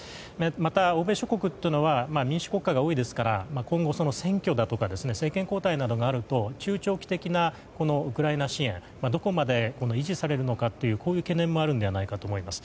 また、欧米諸国というのは民主国家が多いですから今後、選挙だとか政権交代などがあると中長期的なウクライナ支援がどこまで維持されるのかという懸念もあると思います。